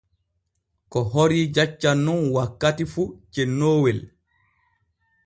Ko horii jaccan nun wakkati fu cennoowel.